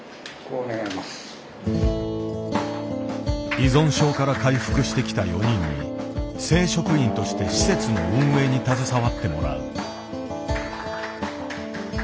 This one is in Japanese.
依存症から回復してきた４人に正職員として施設の運営に携わってもらう。